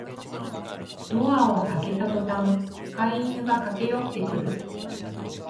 ドアを開けたとたん飼い犬が駆けよってくる